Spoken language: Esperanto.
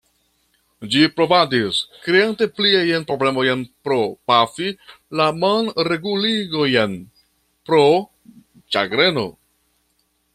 Ĝi provadis, kreante pliajn problemojn pro pafi la manregilojn pro ĉagreno.